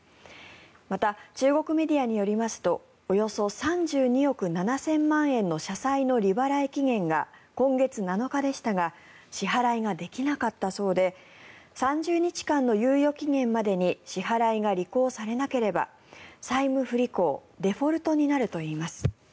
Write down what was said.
また、中国メディアによりますとおよそ３２億７０００万円の社債の利払い期限が今月７日でしたが支払いができなかったそうで３０日間の猶予期限までに支払いが履行されなければ債務不履行、デフォルトになるといいます。